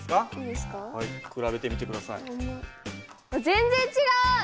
全然違う！